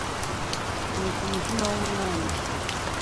Nuko umutima w umwami